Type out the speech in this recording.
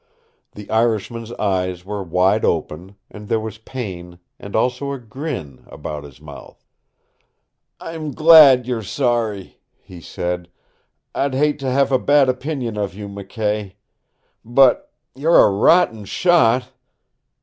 The Irishman's eyes were wide open, and there was pain, and also a grin, about his mouth. "I'm glad you're sorry," he said. "I'd hate to have a bad opinion of you, McKay. But you're a rotten shot!"